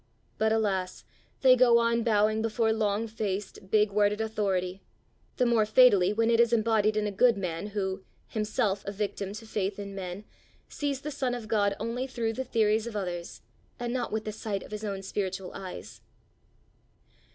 But alas! they go on bowing before long faced, big worded authority the more fatally when it is embodied in a good man who, himself a victim to faith in men, sees the Son of God only through the theories of others, and not with the sight of his own spiritual eyes.